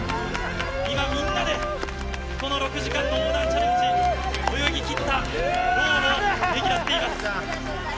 今、みんなでこの６時間の横断チャレンジ泳ぎきった労をねぎらっています。